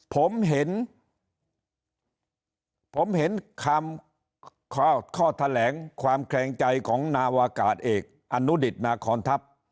ผมเห็นข้อแถลงความแข็งใจของนาวกาศเอกอนุดิษฐ์นาคอนทัพ